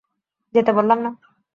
যেতে বললাম না!